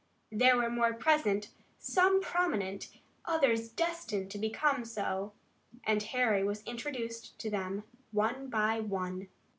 There were more present, some prominent, others destined to become so, and Harry was introduced to them one by one.